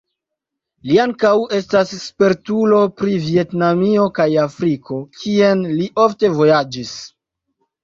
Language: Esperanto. Li ankaŭ estas spertulo pri Vjetnamio kaj Afriko, kien li ofte vojaĝis.